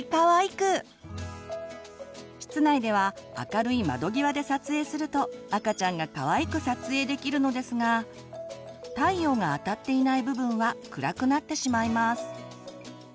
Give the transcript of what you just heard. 室内では明るい窓際で撮影すると赤ちゃんがかわいく撮影できるのですが太陽があたっていない部分は暗くなってしまいます。